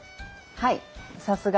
はい。